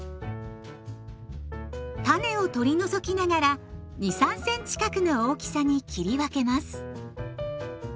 種を取り除きながら２３センチ角の大きさに切り分けます。